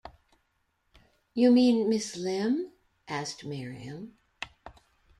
“You mean Miss Limb?” asked Miriam.